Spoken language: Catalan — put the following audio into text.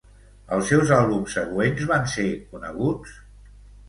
Els seus àlbums següents van ser coneguts?